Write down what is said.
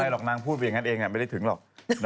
หรอกนางพูดไปอย่างนั้นเองไม่ได้ถึงหรอก